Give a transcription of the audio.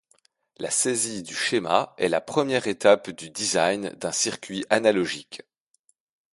La saisie du schéma est la première étape du design d'un circuit analogique.